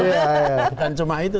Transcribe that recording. bukan cuma itu